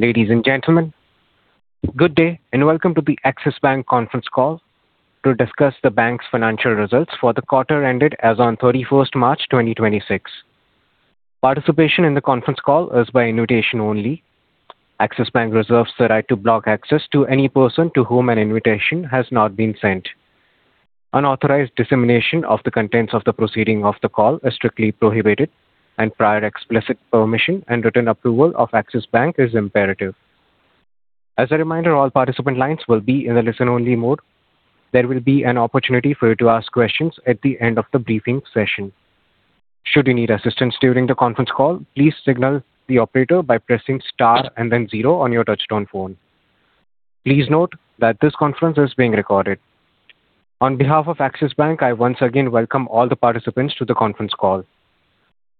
Ladies and gentlemen, good day and welcome to the Axis Bank conference call to discuss the bank's financial results for the quarter ended as on 31st March 2026. Participation in the conference call is by invitation only. Axis Bank reserves the right to block access to any person to whom an invitation has not been sent. Unauthorized dissemination of the contents of the proceeding of the call is strictly prohibited and prior explicit permission and written approval of Axis Bank is imperative. As a reminder, all participant lines will be in a listen-only mode. There will be an opportunity for you to ask questions at the end of the briefing session. Should you need assistance during the conference call, please signal the operator by pressing star and then zero on your touchtone phone. Please note that this conference is being recorded. On behalf of Axis Bank, I once again welcome all the participants to the conference call.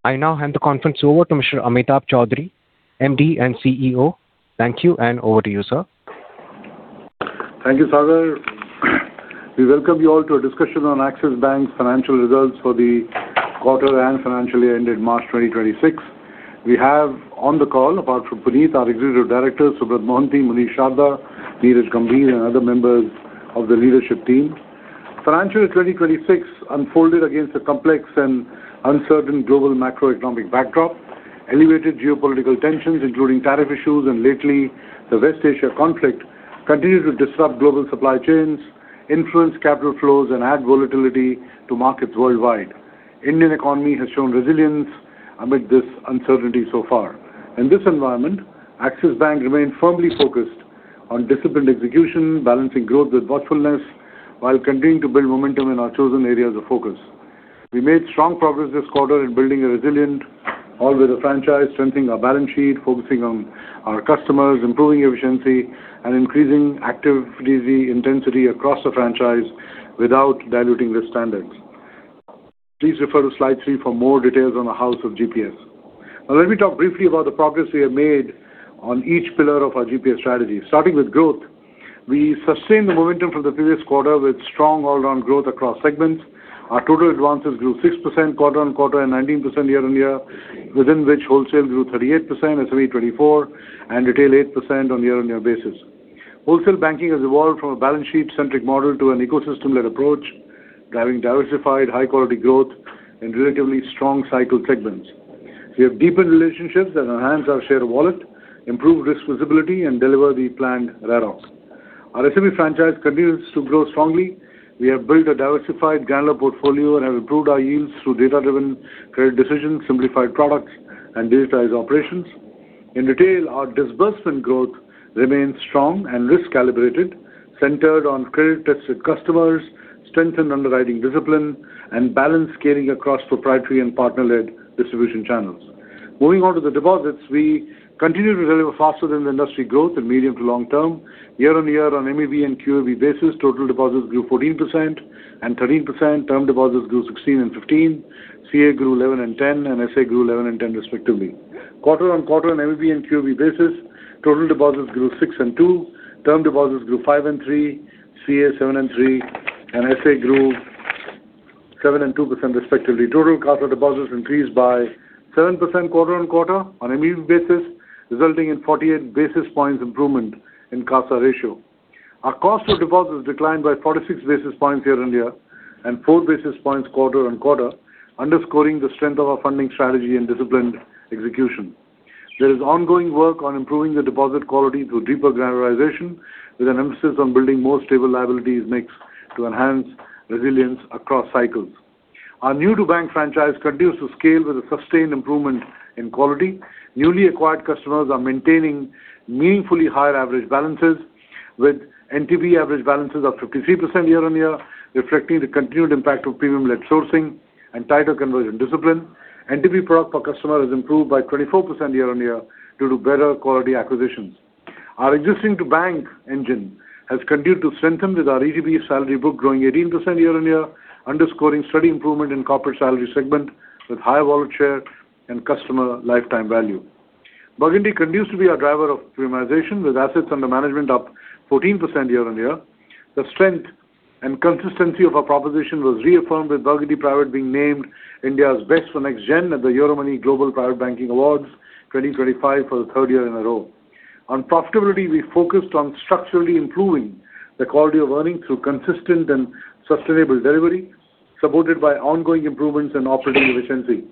I now hand the conference over to Mr. Amitabh Chaudhry, MD and CEO. Thank you and over to you, sir. Thank you, [Sagar]. We welcome you all to a discussion on Axis Bank's financial results for the quarter and financial year ended March 2026. We have on the call, apart from Puneet, our Executive Directors, Subrat Mohanty, Munish Sharda, Neeraj Gambhir, and other members of the leadership team. Financial 2026 unfolded against a complex and uncertain global macroeconomic backdrop. Elevated geopolitical tensions, including tariff issues and lately the West Asia conflict, continue to disrupt global supply chains, influence capital flows, and add volatility to markets worldwide. Indian economy has shown resilience amid this uncertainty so far. In this environment, Axis Bank remained firmly focused on disciplined execution, balancing growth with watchfulness while continuing to build momentum in our chosen areas of focus. We made strong progress this quarter in building a resilient all-weather franchise, strengthening our balance sheet, focusing on our customers, improving efficiency and increasing active intensity across the franchise without diluting the standards. Please refer to Slide 3 for more details on the health of GPS. Now let me talk briefly about the progress we have made on each pillar of our GPS strategy. Starting with growth, we sustained the momentum from the previous quarter with strong all-around growth across segments. Our total advances grew 6% quarter-on-quarter and 19% year-on-year, within which wholesale grew 38%, SME 24% and retail 8% on year-on-year basis. Wholesale banking has evolved from a balance-sheet-centric model to an ecosystem-led approach, driving diversified high-quality growth in relatively strong-cycle segments. We have deepened relationships that enhance our share of wallet, improve risk visibility and deliver the planned ROE. Our SME franchise continues to grow strongly. We have built a diversified granular portfolio and have improved our yields through data-driven credit decisions, simplified products and digitized operations. In retail, our disbursement growth remains strong and risk calibrated, centered on credit-tested customers, strengthened underwriting discipline and balance scaling across proprietary and partner-led distribution channels. Moving on to the deposits, we continue to deliver faster than the industry growth in medium- to long-term. Year-over-year on MEB and QAB basis, total deposits grew 14% and 13%, term deposits grew 16% and 15%, CA grew 11% and 10%, and SA grew 11% and 10% respectively. Quarter-on-quarter on MEB and QAB basis, total deposits grew 6.2%, term deposits grew 5.3%, CA 7.3% and SA grew 7.2% respectively. Total CASA deposits increased by 7% quarter-on-quarter on a MEB basis, resulting in 48 basis points improvement in CASA ratio. Our cost of deposits declined by 46 basis points year-on-year and 4 basis points quarter-on-quarter, underscoring the strength of our funding strategy and disciplined execution. There is ongoing work on improving the deposit quality through deeper granularization with an emphasis on building more stable liabilities mix to enhance resilience across cycles. Our new to bank franchise continues to scale with a sustained improvement in quality. Newly acquired customers are maintaining meaningfully higher average balances with NTB average balances up 53% year-on-year, reflecting the continued impact of premium-led sourcing and tighter conversion discipline. NTB product per customer has improved by 24% year-on-year due to better quality acquisitions. Our existing to bank engine has continued to strengthen with our ETB salary book growing 18% year-on-year, underscoring steady improvement in corporate salary segment with higher wallet share and customer lifetime value. Burgundy continues to be our driver of premiumization with assets under management up 14% year-on-year. The strength and consistency of our proposition was reaffirmed with Burgundy Private being named India's Best for Next-Gen at the Euromoney Global Private Banking Awards 2025 for the third year in a row. On profitability, we focused on structurally improving the quality of earnings through consistent and sustainable delivery, supported by ongoing improvements in operating efficiency.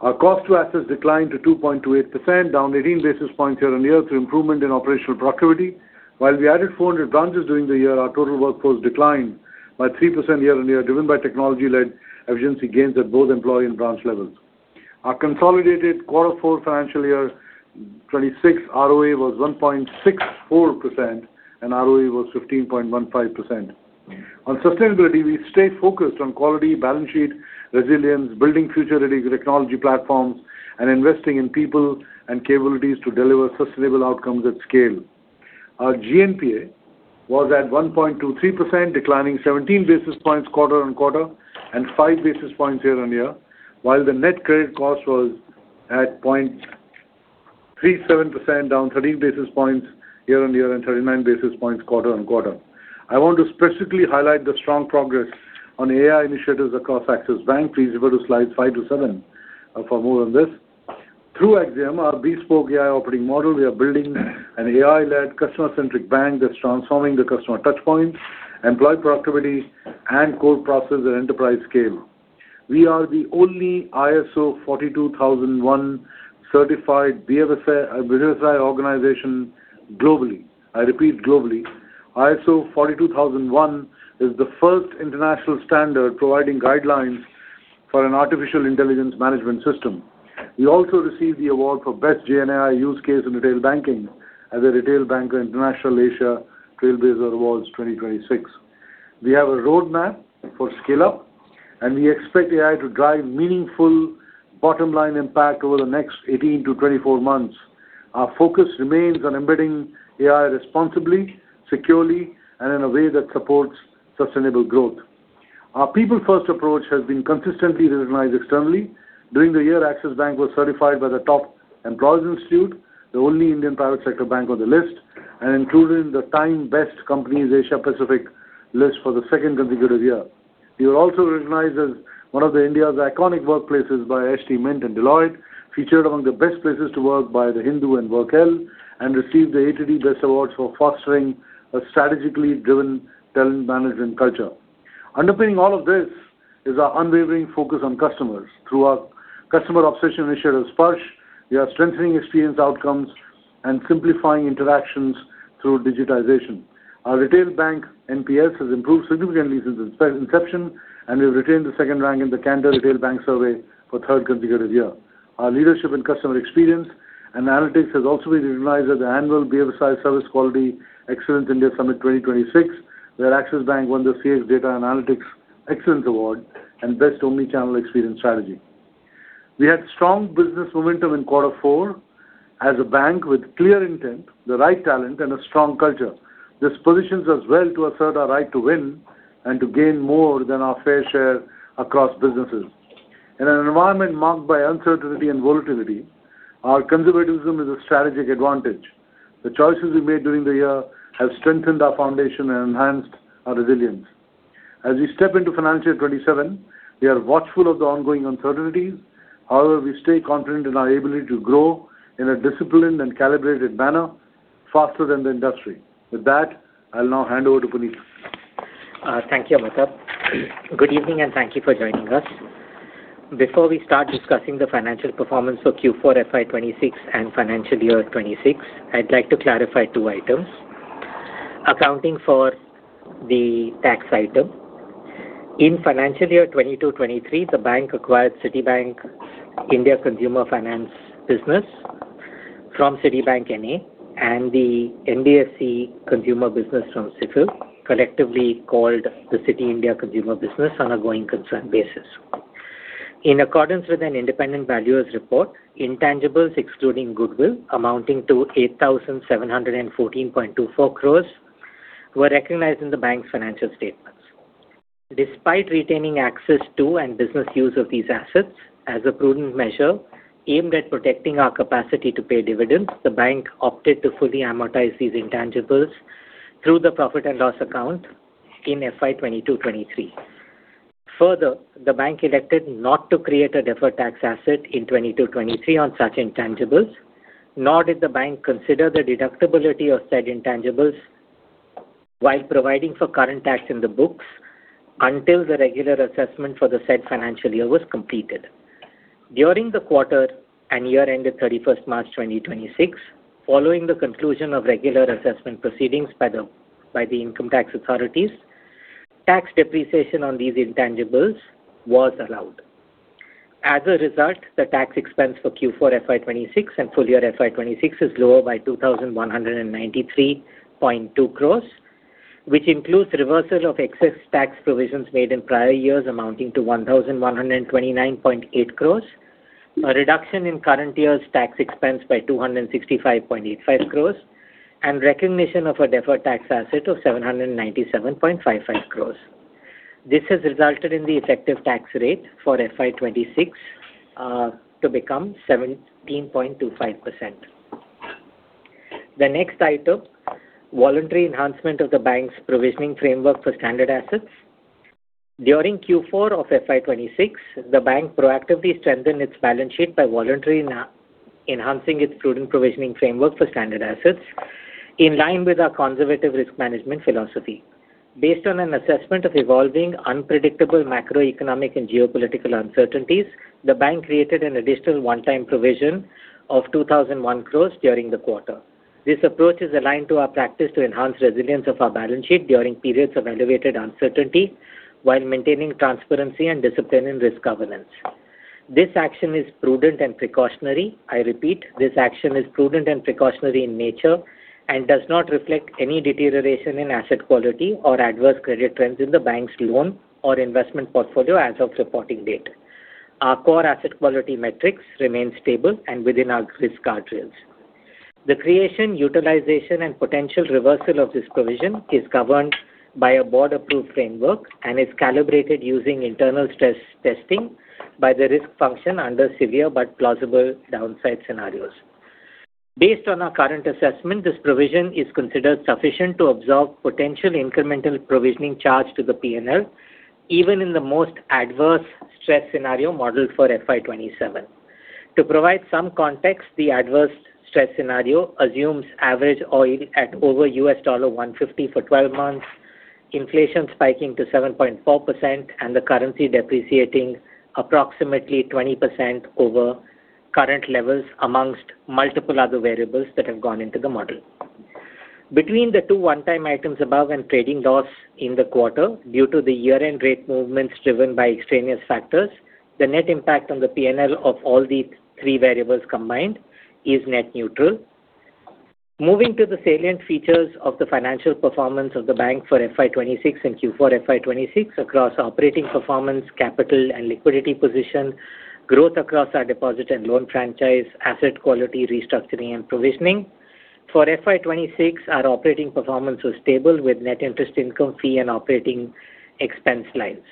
Our cost to assets declined to 2.28%, down 18 basis points year-on-year through improvement in operational productivity. While we added 400 branches during the year, our total workforce declined by 3% year-on-year, driven by technology-led efficiency gains at both employee and branch levels. Our consolidated quarter four financial year 2026 ROA was 1.64% and ROE was 15.15%. On sustainability, we stayed focused on quality, balance sheet resilience, building future ready technology platforms, and investing in people and capabilities to deliver sustainable outcomes at scale. Our GNPA was at 1.23%, declining 17 basis points quarter-on-quarter and 5 basis points year-on-year, while the net credit cost was at 0.37%, down 13 basis points year-on-year and 39 basis points quarter-on-quarter. I want to specifically highlight the strong progress on AI initiatives across Axis Bank. Please refer to Slides 5 to 7 for more on this. Through Axiom, our bespoke AI operating model, we are building an AI-led customer-centric bank that's transforming the customer touchpoints, employee productivity, and core processes at enterprise scale. We are the only ISO 42001 certified BFSI business AI organization globally. I repeat globally. ISO 42001 is the first international standard providing guidelines for an artificial intelligence management system. We also received the award for Best GenAI Use Case in Retail Banking as a retail bank at Retail Banker International Asia Trailblazer Awards 2026. We have a roadmap for scale-up, and we expect AI to drive meaningful bottom-line impact over the next 18-24 months. Our focus remains on embedding AI responsibly, securely, and in a way that supports sustainable growth. Our people-first approach has been consistently recognized externally. During the year, Axis Bank was certified by the Top Employers Institute, the only Indian private sector bank on the list, and included in the TIME Best Companies in the Asia-Pacific list for the second consecutive year. We were also recognized as one of India's iconic workplaces by HT Mint and Deloitte, featured among the best places to work by The Hindu and WorkL, and received the ATD Best Awards for fostering a strategically driven talent management culture. Underpinning all of this is our unwavering focus on customers. Through our customer obsession initiative, Sparsh, we are strengthening experience outcomes and simplifying interactions through digitization. Our retail bank NPS has improved significantly since its inception, and we've retained the second rank in the Kantar Retail Bank Survey for third consecutive year. Our leadership in customer experience and analytics has also been recognized at the annual BFSI Service Quality Excellence India Summit 2026, where Axis Bank won the CX Data Analytics Excellence Award and Best Omnichannel Experience Strategy. We had strong business momentum in quarter four as a bank with clear intent, the right talent, and a strong culture. This positions us well to assert our right to win and to gain more than our fair share across businesses. In an environment marked by uncertainty and volatility, our conservatism is a strategic advantage. The choices we made during the year have strengthened our foundation and enhanced our resilience. As we step into financial year 2027, we are watchful of the ongoing uncertainties. However, we stay confident in our ability to grow in a disciplined and calibrated manner faster than the industry. With that, I'll now hand over to Puneet. Thank you, Amitabh. Good evening, and thank you for joining us. Before we start discussing the financial performance for Q4 FY 2026 and financial year 2026, I'd like to clarify two items. Accounting for the tax item. In financial year 2022-2023, the bank acquired Citibank India Consumer Business from Citibank, N.A. and the NBFC consumer business from CFIL, collectively called the Citi India Consumer Business on a going concern basis. In accordance with an independent valuer's report, intangibles excluding goodwill amounting to 8,714.24 crores were recognized in the bank's financial statements. Despite retaining access to and business use of these assets, as a prudent measure aimed at protecting our capacity to pay dividends, the bank opted to fully amortize these intangibles through the profit and loss account in FY 2022-2023. Further, the bank elected not to create a deferred tax asset in 2022-2023 on such intangibles, nor did the bank consider the deductibility of said intangibles while providing for current tax in the books until the regular assessment for the said financial year was completed. During the quarter and year ended 31st March 2026, following the conclusion of regular assessment proceedings by the income tax authorities, tax depreciation on these intangibles was allowed. As a result, the tax expense for Q4 FY 2026 and full year FY 2026 is lower by 2,193.2 crore, which includes reversal of excess tax provisions made in prior years amounting to 1,129.8 crore, a reduction in current year's tax expense by 265.85 crore, and recognition of a deferred tax asset of 797.55 crore. This has resulted in the effective tax rate for FY 2026 to become 17.25%. The next item, voluntary enhancement of the bank's provisioning framework for standard assets. During Q4 of FY 2026, the bank proactively strengthened its balance sheet by voluntarily enhancing its prudent provisioning framework for standard assets in line with our conservative risk management philosophy. Based on an assessment of evolving unpredictable macroeconomic and geopolitical uncertainties, the bank created an additional one-time provision of 2,001 crore during the quarter. This approach is aligned to our practice to enhance resilience of our balance sheet during periods of elevated uncertainty while maintaining transparency and discipline in risk governance. This action is prudent and precautionary. I repeat, this action is prudent and precautionary in nature and does not reflect any deterioration in asset quality or adverse credit trends in the bank's loan or investment portfolio as of reporting date. Our core asset quality metrics remain stable and within our risk guardrails. The creation, utilization, and potential reversal of this provision is governed by a board-approved framework and is calibrated using internal stress testing by the risk function under severe but plausible downside scenarios. Based on our current assessment, this provision is considered sufficient to absorb potential incremental provisioning charge to the P&L, even in the most adverse stress scenario modeled for FY 2027. To provide some context, the adverse stress scenario assumes average oil at over $150 for 12 months, inflation spiking to 7.4%, and the currency depreciating approximately 20% over current levels amongst multiple other variables that have gone into the model. Between the two one-time items above and trading loss in the quarter due to the year-end rate movements driven by extraneous factors, the net impact on the P&L of all these three variables combined is net neutral. Moving to the salient features of the financial performance of the bank for FY 2026 and Q4 FY 2026 across operating performance, capital and liquidity position, growth across our deposit and loan franchise, asset quality restructuring and provisioning. For FY 2026, our operating performance was stable with net interest income, fee, and operating expense lines.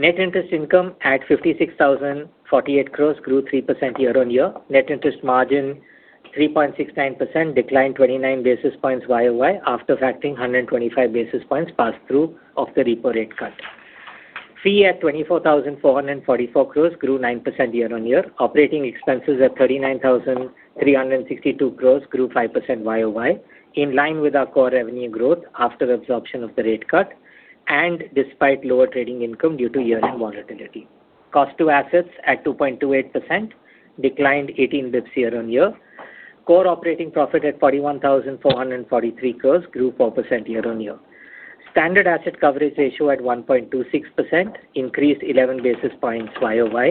Net interest income at 56,048 crore grew 3% year-on-year. Net interest margin 3.69%, declined 29 basis points year-on-year after factoring 125 basis points passed through of the repo rate cut. Fee at 24,444 crore grew 9% year-on-year. Operating expenses at 39,362 crore grew 5% year-on-year, in line with our core revenue growth after absorption of the rate cut, and despite lower trading income due to year-end volatility. Cost to assets at 2.28% declined 18 basis points year-over-year. Core operating profit at 41,443 crore grew 4% year-over-year. Standard asset coverage ratio at 1.26% increased 11 basis points YoY.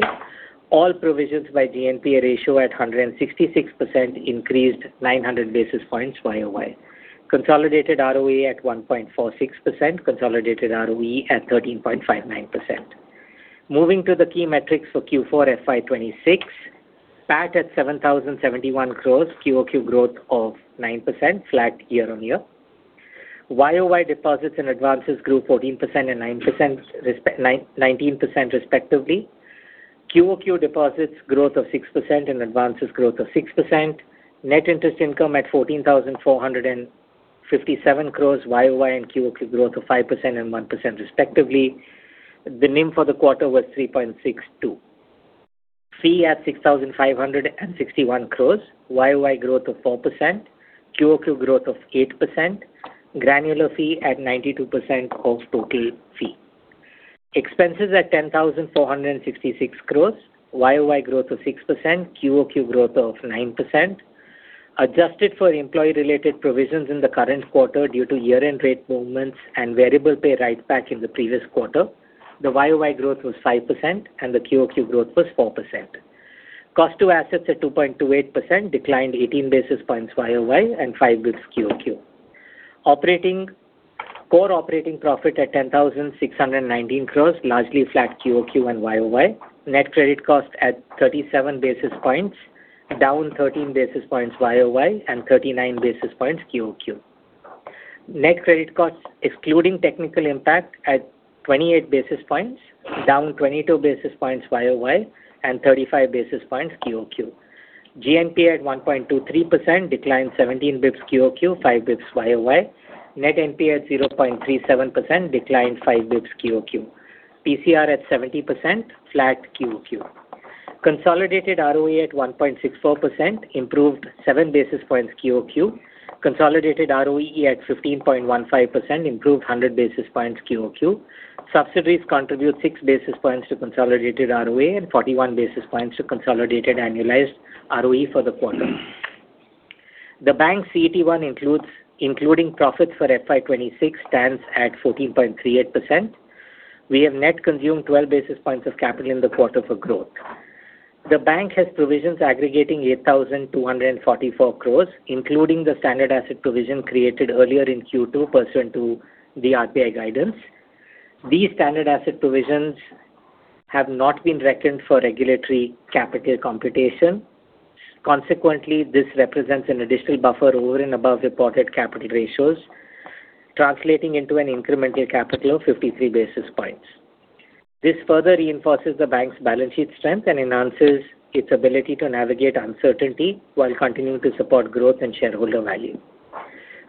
All provisions by GNPA ratio at 166% increased 900 basis points YoY. Consolidated ROE at 1.46%. Consolidated ROE at 13.59%. Moving to the key metrics for Q4 FY 2026, PAT at 7,071 crore, QoQ growth of 9% flat year-on-year. YoY deposits and advances grew 14% and 19% respectively. QoQ deposits growth of 6% and advances growth of 6%. Net interest income at 14,457 crore YoY and QoQ growth of 5% and 1% respectively. The NIM for the quarter was 3.62%. Fee at 6,561 crore, YoY growth of 4%, QoQ growth of 8%, granular fee at 92% of total fee. Expenses at 10,466 crore, YoY growth of 6%, QoQ growth of 9%. Adjusted for employee-related provisions in the current quarter due to year-end rate movements and variable pay write back in the previous quarter, the YoY growth was 5% and the QoQ growth was 4%. Cost to assets at 2.28% declined 18 basis points YoY and 5 basis points QoQ. Core operating profit at 10,619 crore, largely flat QoQ and YoY. Net credit cost at 37 basis points, down 13 basis points YoY and 39 basis points QoQ. Net credit costs excluding technical impact at 28 basis points, down 22 basis points YoY and 35 basis points QoQ. GNPA at 1.23%, declined 17 basis points QoQ, 5 basis points YoY. Net NPA at 0.37%, declined 5 basis points QoQ. PCR at 70%, flat QoQ. Consolidated ROE at 1.64%, improved 7 basis points QoQ. Consolidated ROE at 15.15%, improved 100 basis points QoQ. Subsidiaries contribute 6 basis points to consolidated ROE and 41 basis points to consolidated annualized ROE for the quarter. The bank CET1, including profit for FY 2026, stands at 14.38%. We have net consumed 12 basis points of capital in the quarter for growth. The bank has provisions aggregating 8,244 crore, including the standard asset provision created earlier in Q2 pursuant to the RBI guidance. These standard asset provisions have not been reckoned for regulatory capital computation. Consequently, this represents an additional buffer over and above reported capital ratios, translating into an incremental capital of 53 basis points. This further reinforces the bank's balance sheet strength and enhances its ability to navigate uncertainty while continuing to support growth and shareholder value.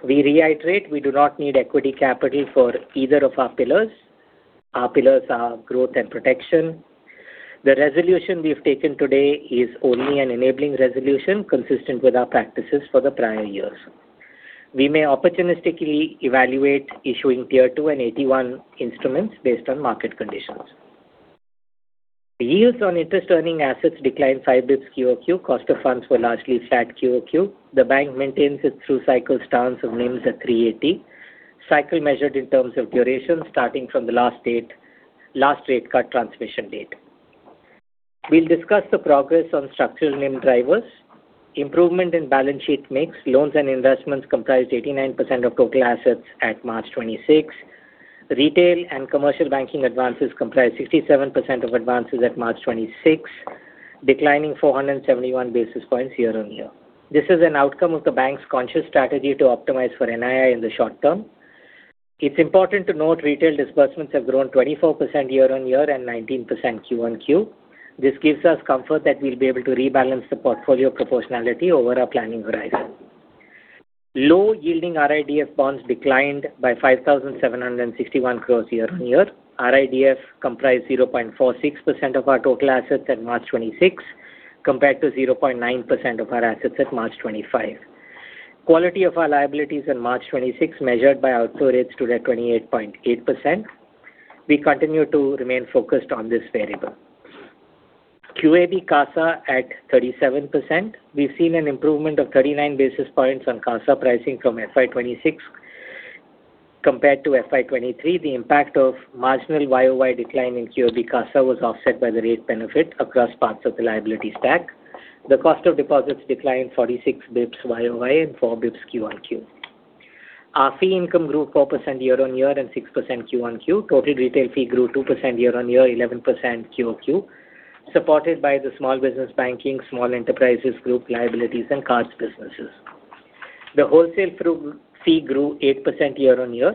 We reiterate we do not need equity capital for either of our pillars. Our pillars are growth and protection. The resolution we've taken today is only an enabling resolution consistent with our practices for the prior years. We may opportunistically evaluate issuing Tier 2 and AT1 instruments based on market conditions. The yields on interest-earning assets declined 5 basis points QoQ. Cost of funds were largely flat QoQ. The bank maintains its through-cycle stance of NIMs at 3.80%. Cycle measured in terms of duration starting from the last date, last rate cut transmission date. We'll discuss the progress on structural NIM drivers. Improvement in balance sheet mix, loans and investments comprised 89% of total assets at March 2026. Retail and commercial banking advances comprised 67% of advances at March 2026, declining 471 basis points year-on-year. This is an outcome of the bank's conscious strategy to optimize for NII in the short term. It's important to note retail disbursements have grown 24% year-on-year and 19% QoQ. This gives us comfort that we'll be able to rebalance the portfolio proportionality over our planning horizon. Low-yielding RIDF bonds declined by 5,761 crore year-on-year. RIDF comprised 0.46% of our total assets at March 2026, compared to 0.9% of our assets at March 2025. Quality of our liabilities in March 2026, measured by our rates stood at 28.8%. We continue to remain focused on this variable. QAB CASA at 37%. We've seen an improvement of 39 basis points on CASA pricing from FY 2026 compared to FY 2023. The impact of marginal YoY decline in QAB CASA was offset by the rate benefit across parts of the liability stack. The cost of deposits declined 46 basis points YoY and 4 basis points QoQ. Our fee income grew 4% year-on-year and 6% QoQ. Total retail fee grew 2% year-on-year, 11% QoQ, supported by the small business banking, small enterprises group liabilities and cards businesses. The wholesale fee grew 8% year-on-year.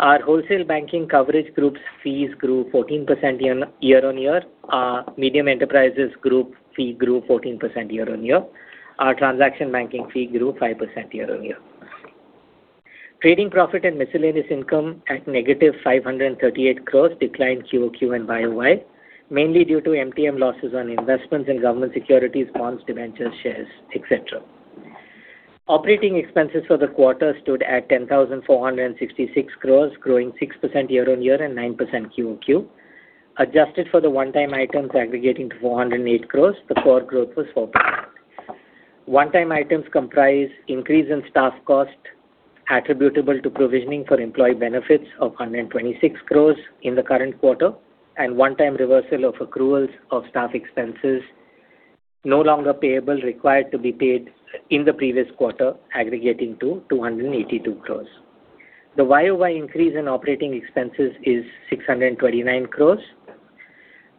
Our wholesale banking coverage group's fees grew 14% year-on-year. Our medium enterprises group fee grew 14% year-on-year. Our transaction banking fee grew 5% year-on-year. Trading profit and miscellaneous income at -538 crore declined QoQ and YoY, mainly due to MTM losses on investments in government securities, bonds, debentures, shares, et cetera. Operating expenses for the quarter stood at 10,466 crore, growing 6% year-on-year and 9% QoQ. Adjusted for the one-time items aggregating to 408 crore, the core growth was 4%. One-time items comprise increase in staff cost attributable to provisioning for employee benefits of 126 crore in the current quarter and one-time reversal of accruals of staff expenses no longer payable required to be paid in the previous quarter, aggregating to 282 crore. The YoY increase in operating expenses is 629 crore.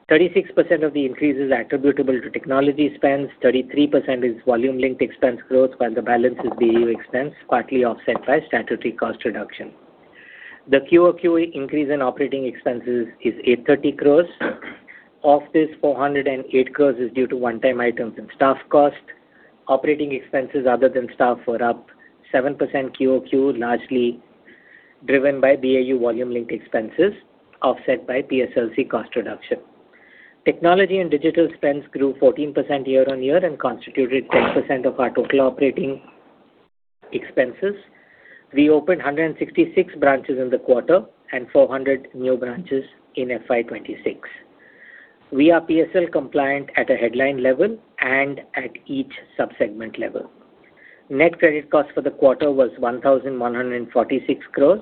36% of the increase is attributable to technology spends, 33% is volume-linked expense growth, while the balance is BAU expense, partly offset by statutory cost reduction. The QoQ increase in operating expenses is 830 crore. Of this, 408 crore is due to one-time items and staff cost. Operating expenses other than staff were up 7% QoQ largely driven by BAU volume-linked expenses, offset by PSLC cost reduction. Technology and digital spends grew 14% year-on-year and constituted 10% of our total operating expenses. We opened 166 branches in the quarter and 400 new branches in FY 2026. We are PSL compliant at a headline level and at each sub-segment level. Net credit cost for the quarter was 1,146 crore.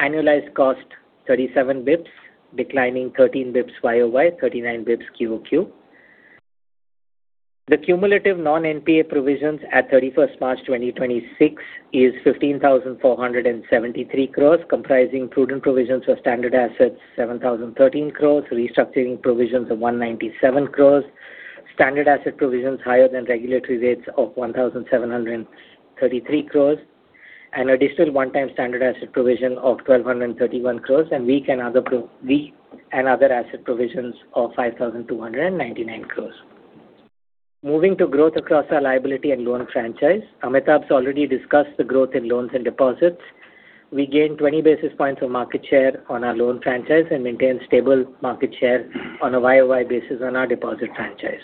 Annualized cost 37 basis points, declining 13 basis points YoY, 39 basis points QoQ. The cumulative non-NPA provisions at 31st March 2026 is 15,473 crore, comprising prudent provisions for standard assets 7,013 crore, restructuring provisions of 197 crore, standard asset provisions higher than regulatory rates of 1,733 crore, and additional one-time standard asset provision of 1,231 crore, and weak and other asset provisions of 5,299 crore. Moving to growth across our liability and loan franchise. Amitabh's already discussed the growth in loans and deposits. We gained 20 basis points of market share on our loan franchise and maintained stable market share on a YOY basis on our deposit franchise.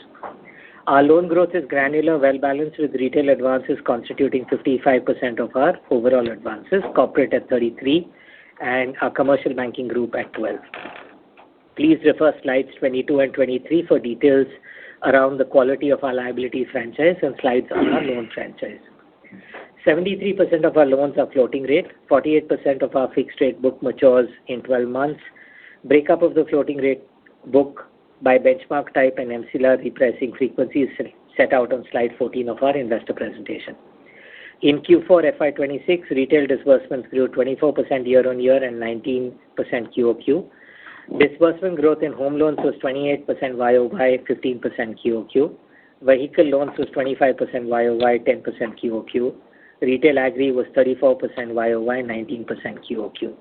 Our loan growth is granular, well-balanced, with retail advances constituting 55% of our overall advances, corporate at 33%, and our Commercial Banking Group at 12%. Please refer Slides 22 and 23 for details around the quality of our liability franchise and slides on our loan franchise. 73% of our loans are floating rate. 48% of our fixed rate book matures in 12 months. Breakup of the floating rate book by benchmark type and MCLR repricing frequency is set out on Slide 14 of our investor presentation. In Q4 FY 2026, retail disbursements grew 24% year-on-year and 19% QoQ. Disbursement growth in home loans was 28% YoY, 15% QoQ. Vehicle loans was 25% YoY, 10% QoQ. Retail agri was 34% YoY, 19% QoQ.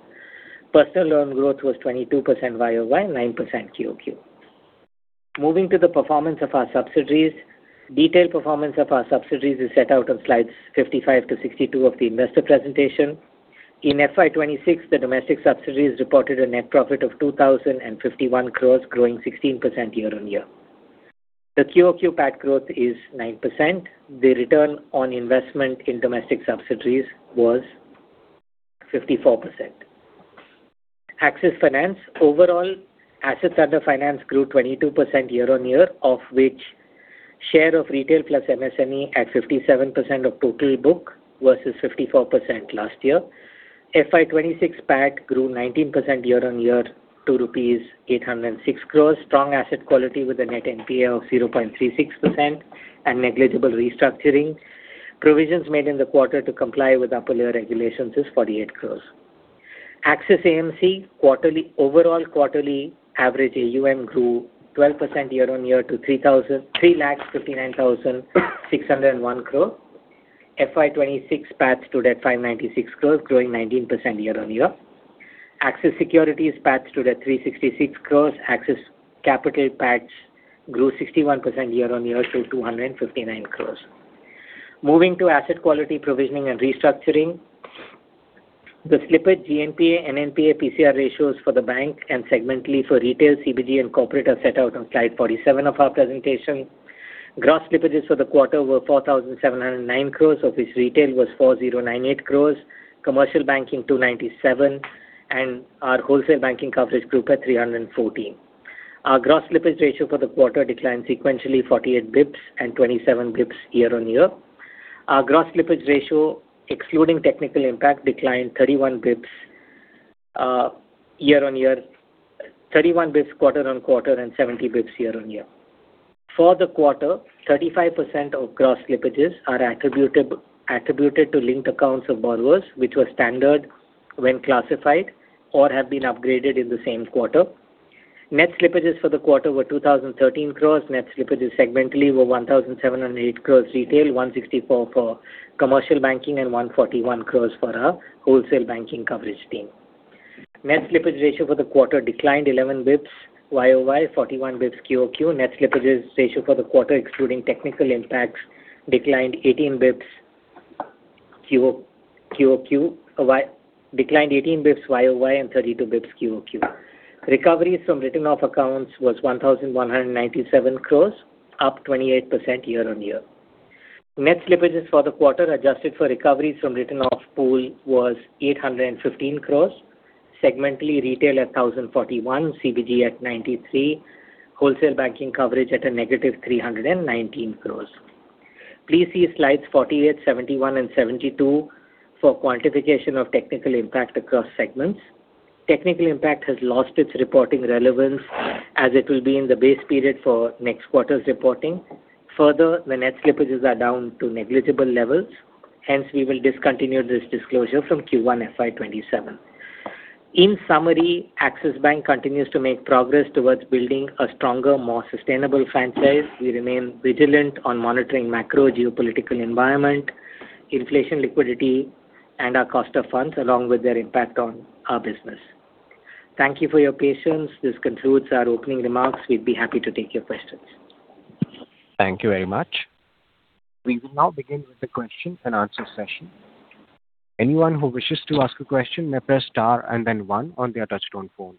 Personal loan growth was 22% YoY, 9% QoQ. Moving to the performance of our subsidiaries. Detailed performance of our subsidiaries is set out on Slides 55-62 of the investor presentation. In FY 2026, the domestic subsidiaries reported a net profit of 2,051 crore, growing 16% year-on-year. The QoQ PAT growth is 9%. The return on investment in domestic subsidiaries was 54%. Axis Finance, overall assets under finance grew 22% year-on-year, of which share of retail plus MSME at 57% of total book versus 54% last year. FY 2026 PAT grew 19% year-on-year to rupees 806 crore. Strong asset quality with a net NPA of 0.36% and negligible restructuring. Provisions made in the quarter to comply with upper layer regulations 48 crore. Axis AMC quarterly. Overall quarterly average AUM grew 12% year-on-year to 3,59,601 crore. FY 2026 PAT stood at 596 crore, growing 19% year-on-year. Axis Securities PAT stood at 366 crore. Axis Capital PAT grew 61% year-on-year to 259 crore. Moving to asset quality, provisioning and restructuring. The slippage, GNPA, NNPA, PCR ratios for the bank and segmentally for retail, CBG and corporate are set out on Slide 47 of our presentation. Gross slippages for the quarter were 4,709 crore, of which retail was 4,098 crore, commercial banking 297 crore, and our wholesale banking coverage group at 314 crore. Our gross slippage ratio for the quarter declined sequentially 48 basis points and 27 basis points year-on-year. Our gross slippage ratio, excluding technical impact, declined 31 basis points year-on-year. 31 basis points quarter-on-quarter and 70 basis points year-on-year. For the quarter, 35% of gross slippages are attributed to linked accounts of borrowers, which were standard when classified or have been upgraded in the same quarter. Net slippages for the quarter were 2,013 crore. Net slippages segmentally were 1,708 crore retail, 164 crore for commercial banking and 141 crore for our wholesale banking coverage team. Net slippage ratio for the quarter declined 11 basis points YoY, 41 basis points QoQ. Net slippages ratio for the quarter, excluding technical impacts, declined 18 basis points QoQ. Declined 18 basis points YoY and 32 basis points QoQ. Recoveries from written off accounts was 1,197 crore, up 28% year-on-year. Net slippages for the quarter, adjusted for recoveries from written off pool, was 815 crore. Segmentally, retail at 1,041 crore, CBG at 93 crore, wholesale banking coverage at -319 crore. Please see Slides 48, 71, and 72 for quantification of technical impact across segments. Technical impact has lost its reporting relevance as it will be in the base period for next quarter's reporting. Further, the net slippages are down to negligible levels. Hence, we will discontinue this disclosure from Q1 FY 2027. In summary, Axis Bank continues to make progress towards building a stronger, more sustainable franchise. We remain vigilant on monitoring macro, geopolitical environment, inflation, liquidity, and our cost of funds, along with their impact on our business. Thank you for your patience. This concludes our opening remarks. We'd be happy to take your questions. Thank you very much. We will now begin with the question and answer session. Anyone who wishes to ask a question may press star and then one on their touchtone phone.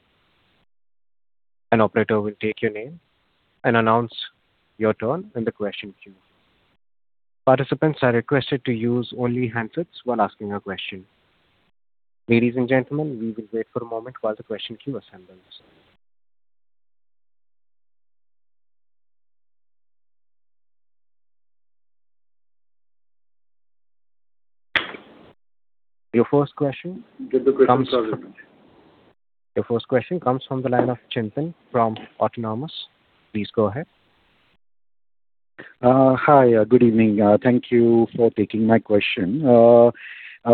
An operator will take your name and announce your turn in the question queue. Participants are requested to use only handsets while asking a question. Ladies and gentlemen, we will wait for a moment while the question queue assembles. Your first question comes from. Get the questions out of the way. Your first question comes from the line of Chintan from Autonomous. Please go ahead. Hi. Good evening. Thank you for taking my question.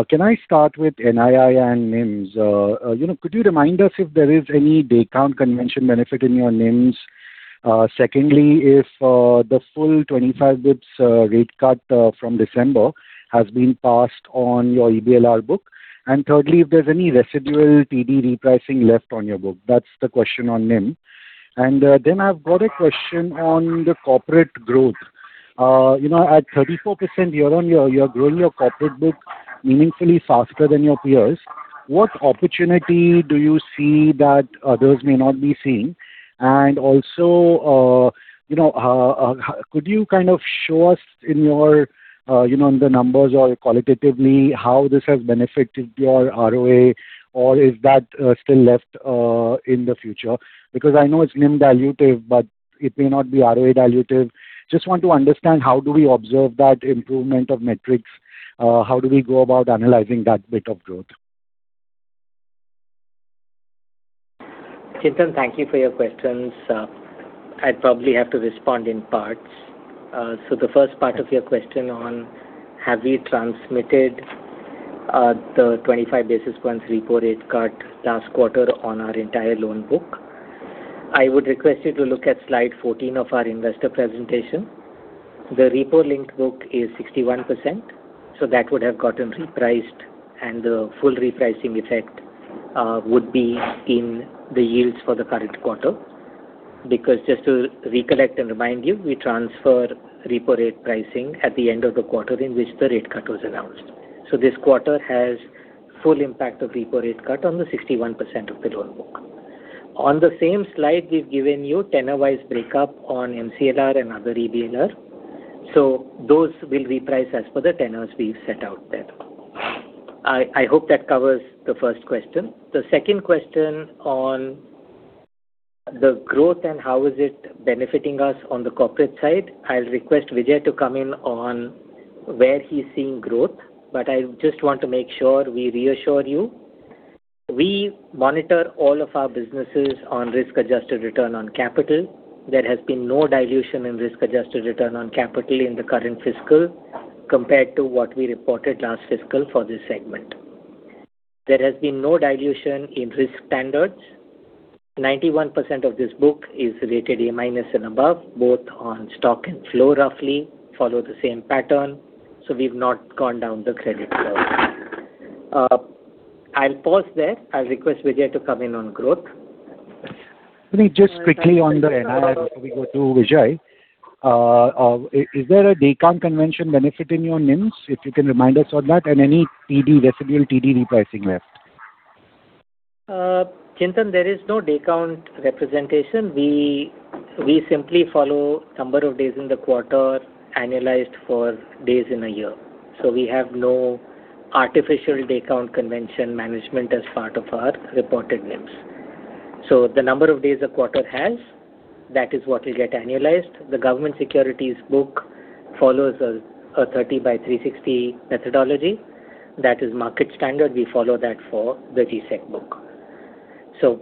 Can I start with NII and NIMS? You know, could you remind us if there is any day count convention benefit in your NIMS? Secondly, if the full 25 basis points rate cut from December has been passed on your EBLR book. Thirdly, if there's any residual TD repricing left on your book? That's the question on NIM. I've got a question on the corporate growth. You know, at 34% year-on-year, you're growing your corporate book meaningfully faster than your peers. What opportunity do you see that others may not be seeing? Also, you know, could you kind of show us in your, you know, in the numbers or qualitatively how this has benefited your ROA or is that still left in the future? Because I know it's NIM dilutive, but it may not be ROA dilutive. Just want to understand how do we observe that improvement of metrics? How do we go about analyzing that bit of growth? Chintan, thank you for your questions. I'd probably have to respond in parts. The first part of your question on, have we transmitted the 25 basis points repo rate cut last quarter on our entire loan book? I would request you to look at Slide 14 of our investor presentation. The repo-linked book is 61%, so that would have gotten repriced, and the full repricing effect would be in the yields for the current quarter. Because just to recollect and remind you, we transfer repo rate pricing at the end of the quarter in which the rate cut was announced. This quarter has full impact of repo rate cut on the 61% of the loan book. On the same slide, we've given you tenor-wise breakup on MCLR and other EBLR. Those will reprice as per the tenors we've set out there. I hope that covers the first question. The second question on the growth and how is it benefiting us on the corporate side, I'll request Vijay to come in on where he's seeing growth, but I just want to make sure we reassure you, we monitor all of our businesses on risk-adjusted return on capital. There has been no dilution in risk-adjusted return on capital in the current fiscal. Compared to what we reported last fiscal for this segment. There has been no dilution in risk standards. 91% of this book is rated A-minus and above, both on stock and flow roughly follow the same pattern, so we've not gone down the credit curve. I'll pause there. I'll request Vijay to come in on growth. Just quickly on the NII before we go to Vijay. Is there a day count convention benefit in your NIMs? If you can remind us on that and any TD residual TD repricing left. Chintan, there is no day count representation. We simply follow number of days in the quarter annualized for days in a year. We have no artificial day count convention management as part of our reported NIMs. The number of days a quarter has, that is what will get annualized. The government securities book follows a 30 by 360 methodology. That is market standard. We follow that for the G-Sec book.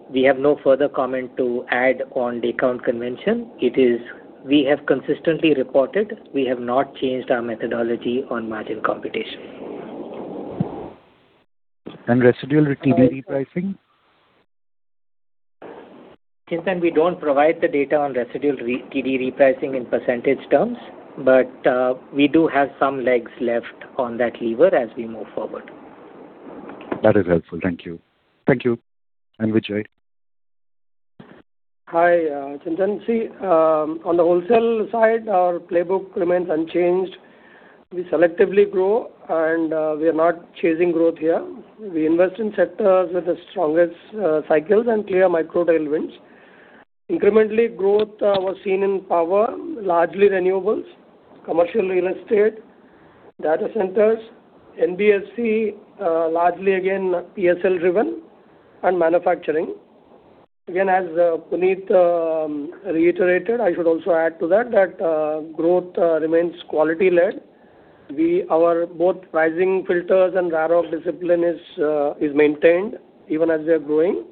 We have no further comment to add on day count convention. It is. We have consistently reported, we have not changed our methodology on margin computation. Residual TD repricing? Chintan, we don't provide the data on residual TD repricing in percentage terms, but we do have some legs left on that lever as we move forward. That is helpful. Thank you. Thank you. And Vijay? Hi, Chintan. See, on the wholesale side, our playbook remains unchanged. We selectively grow and we are not chasing growth here. We invest in sectors with the strongest cycles and clear micro tailwinds. Incrementally growth was seen in power, largely renewables, commercial real estate, data centers, NBFC, largely again PSL driven and manufacturing. Again, as Puneet reiterated, I should also add to that, growth remains quality-led. Our both pricing filters and ROE discipline is maintained even as we are growing.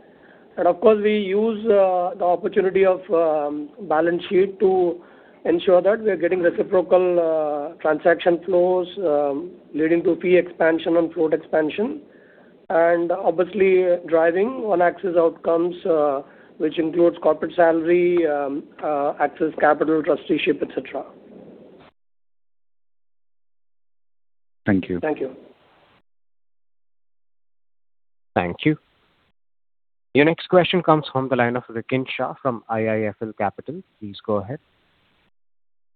Of course, we use the opportunity of balance sheet to ensure that we are getting reciprocal transaction flows leading to fee expansion and float expansion. Obviously driving on Axis outcomes, which includes corporate salary, Axis Capital trusteeship, et cetera. Thank you. Thank you. Thank you. Your next question comes from the line of Rikin Shah from IIFL Capital. Please go ahead.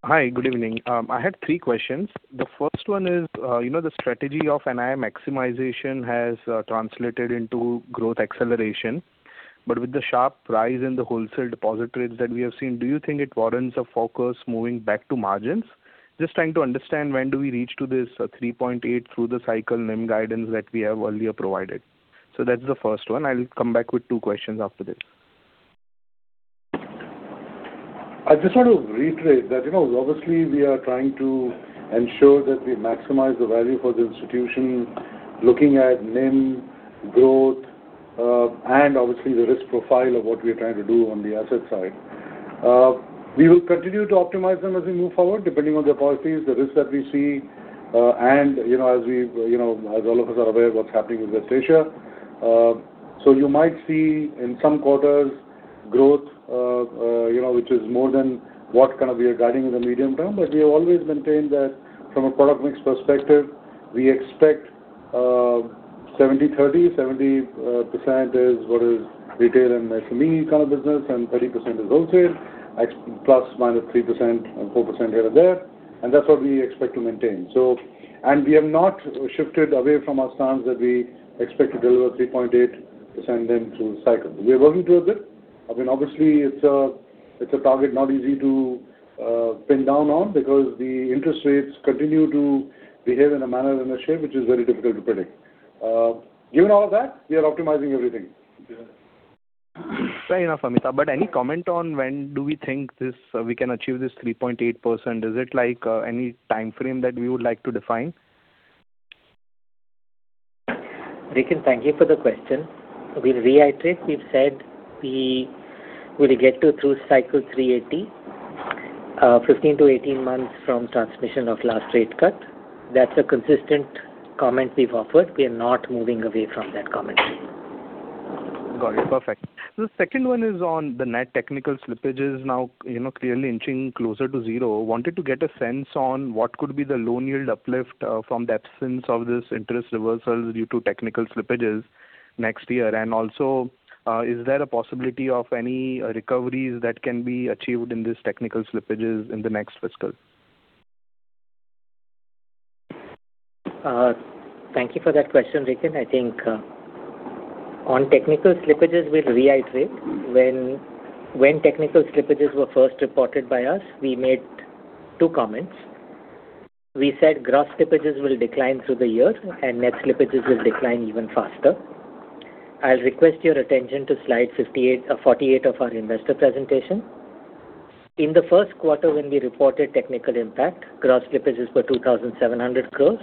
Hi, good evening. I had three questions. The first one is, you know, the strategy of NII maximization has translated into growth acceleration. With the sharp rise in the wholesale deposit rates that we have seen, do you think it warrants a focus moving back to margins? Just trying to understand when do we reach to this 3.8% through the cycle NIM guidance that we have earlier provided. That's the first one. I'll come back with two questions after this. I just want to reiterate that, you know, obviously we are trying to ensure that we maximize the value for the institution, looking at NIM growth, and obviously the risk profile of what we are trying to do on the asset side. We will continue to optimize them as we move forward, depending on the policies, the risks that we see, and, you know, as we, you know, as all of us are aware of what's happening with West Asia. You might see in some quarters growth, you know, which is more than what kind of we are guiding in the medium term. We have always maintained that from a product mix perspective, we expect 70/30. 70% is what is retail and SME kind of business, and 30% is wholesale. ±3% and 4% here and there. That's what we expect to maintain. We have not shifted away from our stance that we expect to deliver 3.8% NIM through cycle. We are working towards it. I mean, obviously it's a target not easy to pin down on because the interest rates continue to behave in a manner and a shape which is very difficult to predict. Given all of that, we are optimizing everything. Fair enough, Amitabh. Any comment on when do we think this, we can achieve this 3.8%? Is it like, any timeframe that we would like to define? Rikin, thank you for the question. We reiterate, we've said we will get to through-cycle 3% AT 15-18 months from transmission of last rate cut. That's a consistent comment we've offered. We are not moving away from that comment. Got it. Perfect. The second one is on the net technical slippages now, you know, clearly inching closer to zero. Wanted to get a sense on what could be the loan yield uplift from the absence of this interest reversals due to technical slippages next year. Also, is there a possibility of any recoveries that can be achieved in these technical slippages in the next fiscal? Thank you for that question, Rikin. I think on technical slippages, we'll reiterate when technical slippages were first reported by us, we made two comments. We said gross slippages will decline through the year and net slippages will decline even faster. I'll request your attention to Slide 48 of our investor presentation. In the first quarter when we reported technical impact, gross slippages were 2,700 crore.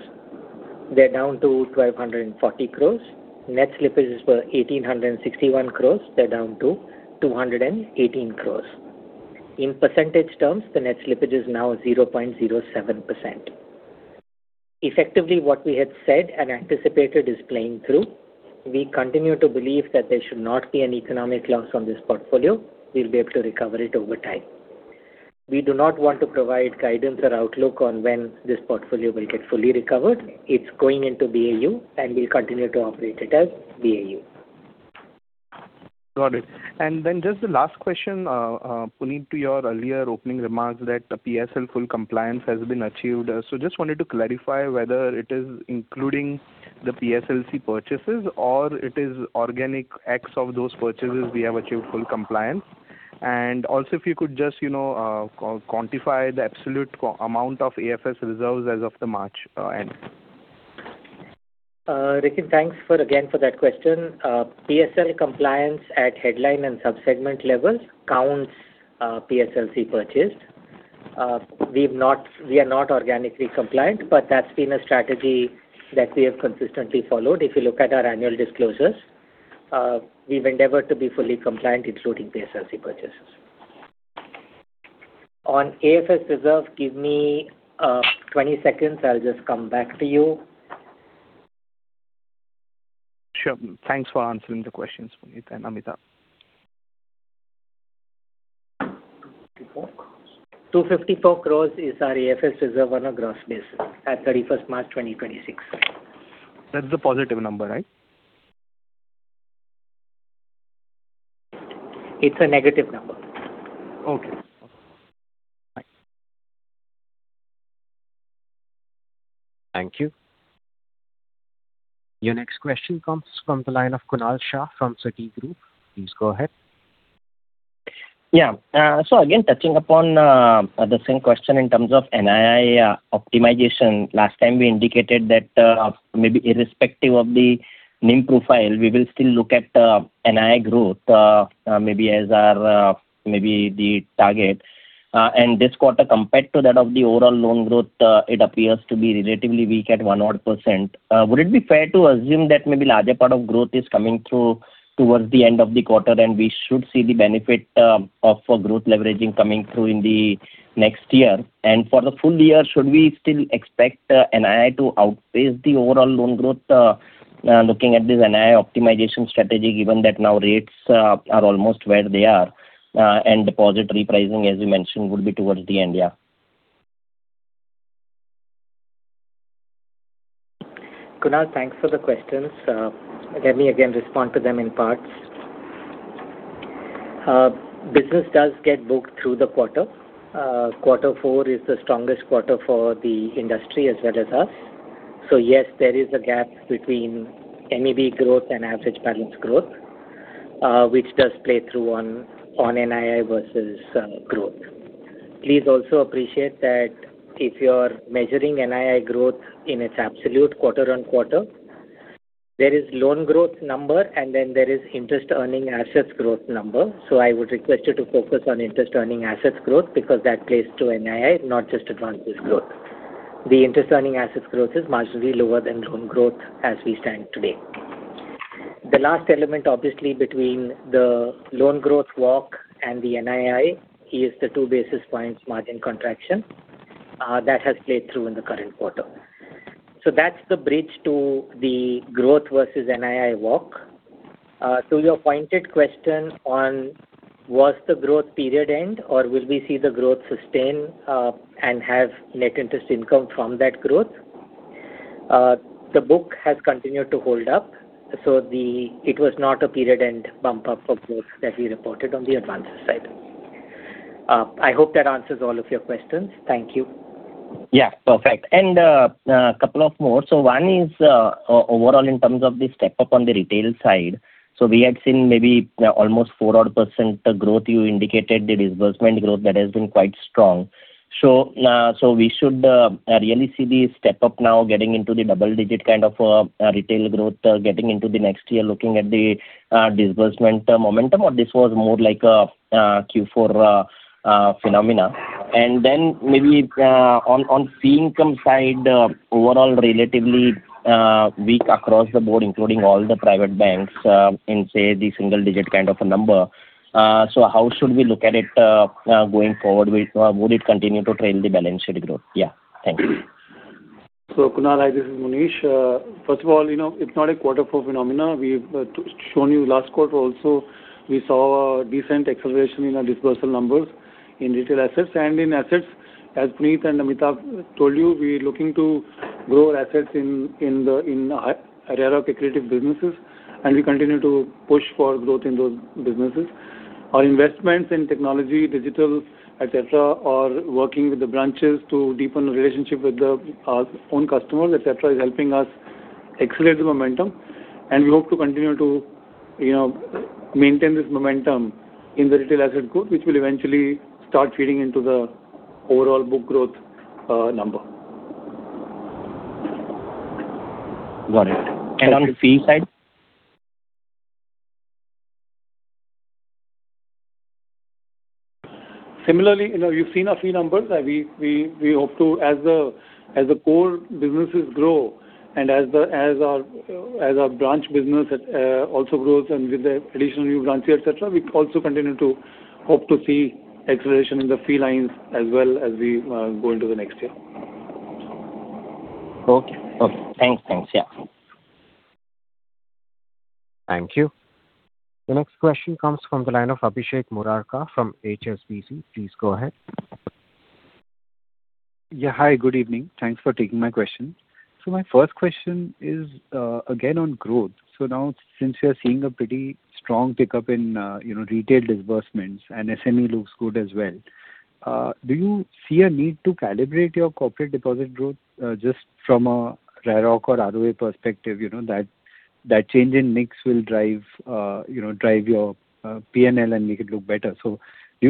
They're down to 1,240 crore. Net slippages were 1,861 crore. They're down to 218 crore. In percentage terms, the net slippage is now 0.07%. Effectively, what we had said and anticipated is playing through. We continue to believe that there should not be an economic loss on this portfolio. We'll be able to recover it over time. We do not want to provide guidance or outlook on when this portfolio will get fully recovered. It's going into BAU, and we'll continue to operate it as BAU. Got it. Just the last question, Puneet, to your earlier opening remarks that the PSL full compliance has been achieved. Just wanted to clarify whether it is including the PSLC purchases or it is organic ex of those purchases we have achieved full compliance. Also, if you could just, you know, quantify the absolute amount of AFS reserves as of the March end. Rikin, thanks, again, for that question. PSL compliance at headline and sub-segment levels counts PSLC purchased. We are not organically compliant, but that's been a strategy that we have consistently followed. If you look at our annual disclosures, we've endeavored to be fully compliant, including PSLC purchases. On AFS reserve, give me 20 seconds. I'll just come back to you. Sure. Thanks for answering the questions, Puneet and Amitabh. 254 crore is our AFS reserve on a gross basis at 31st March 2026. That's a positive number, right? It's a negative number. Okay. Bye. Thank you. Your next question comes from the line of Kunal Shah from Citigroup. Please go ahead. Yeah. Again, touching upon the same question in terms of NII optimization. Last time we indicated that maybe irrespective of the NIM profile, we will still look at NII growth maybe as our maybe the target. This quarter compared to that of the overall loan growth, it appears to be relatively weak at 1-odd%. Would it be fair to assume that maybe larger part of growth is coming through towards the end of the quarter and we should see the benefit of growth leveraging coming through in the next year? For the full year, should we still expect NII to outpace the overall loan growth, looking at this NII optimization strategy, given that now rates are almost where they are, and deposit repricing, as you mentioned, would be towards the end? Yeah. Kunal, thanks for the questions. Let me again respond to them in parts. Business does get booked through the quarter. Quarter four is the strongest quarter for the industry as well as us. Yes, there is a gap between MEB growth and average balance growth, which does play through on NII versus growth. Please also appreciate that if you're measuring NII growth in its absolute quarter-on-quarter, there is loan growth number and then there is interest earning assets growth number. I would request you to focus on interest earning assets growth because that plays to NII, not just advances growth. The interest earning assets growth is marginally lower than loan growth as we stand today. The last element, obviously, between the loan growth walk and the NII is the 2 basis points margin contraction that has played through in the current quarter. That's the bridge to the growth versus NII walk. To your pointed question on was the growth period end or will we see the growth sustain, and have net interest income from that growth? The book has continued to hold up. It was not a period end bump up of growth that we reported on the advances side. I hope that answers all of your questions. Thank you. Yeah. Perfect. Couple of more. One is overall in terms of the step-up on the retail side. We had seen maybe almost 4% growth you indicated, the disbursement growth that has been quite strong. We should really see the step-up now getting into the double-digit kind of retail growth getting into the next year, looking at the disbursement momentum, or this was more like a Q4 phenomenon? Maybe on fee income side, overall relatively weak across the board, including all the private banks in, say, the single-digit kind of a number. How should we look at it going forward? Would it continue to trail the balance sheet growth? Yeah. Thank you. Kunal, hi, this is Munish. First of all, you know, it's not a quarter-four phenomena. We've shown you last quarter also, we saw a decent acceleration in our disbursement numbers in retail assets. In assets, as Puneet Sharma and Amitabh Chaudhry told you, we're looking to grow our assets in the area of accretive businesses, and we continue to push for growth in those businesses. Our investments in technology, digital, et cetera, are working with the branches to deepen the relationship with the our own customers, et cetera, is helping us accelerate the momentum. We hope to continue to, you know, maintain this momentum in the retail asset group, which will eventually start feeding into the overall book growth number. Got it. On the fee side? Similarly, you know, you've seen our fee numbers that we hope to. As the core businesses grow and as our branch business also grows and with the additional new branches, et cetera, we also continue to hope to see acceleration in the fee lines as well as we go into the next year. Okay. Thanks. Yeah. Thank you. The next question comes from the line of Abhishek Murarka from HSBC. Please go ahead. Yeah. Hi, good evening. Thanks for taking my question. My first question is again on growth. Now since we are seeing a pretty strong pickup in you know, retail disbursements and SME looks good as well, do you see a need to calibrate your corporate deposit growth just from a ROE or ROA perspective? You know, that change in mix will drive you know, your P&L and make it look better. Do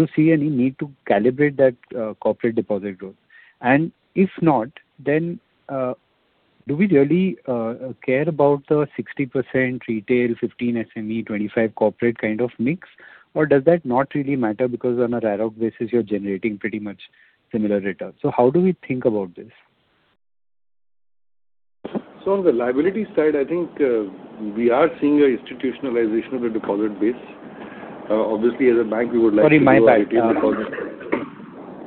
you see any need to calibrate that corporate deposit growth? And if not, then do we really care about the 60% retail, 15% SME, 25% corporate kind of mix or does that not really matter because on a ROE basis you're generating pretty much similar return. How do we think about this? On the liability side, I think, we are seeing an institutionalization of the deposit base. Obviously as a bank we would like to- Sorry, my bad.